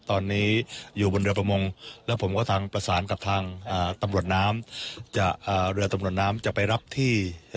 ตอนนี้อยู่บนเรือประมงแล้วผมก็ทางประสานกับทางตำรวจน้ำจะอ่าเรือตำรวจน้ำจะไปรับที่